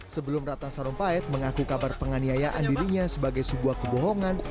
sebelum ratna sarumpait mengaku kabar penganiayaan dirinya sebagai sebuah kebohongan